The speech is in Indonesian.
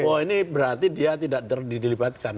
oh ini berarti dia tidak dilibatkan